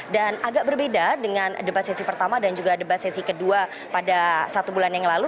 dan agak berbeda dengan debat sesi pertama dan juga debat sesi kedua pada satu bulan yang lalu